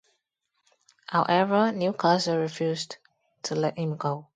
However, Newcastle refused to let him go.